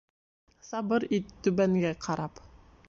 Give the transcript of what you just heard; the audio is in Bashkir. Сабыр ит түбәнгә ҡарап.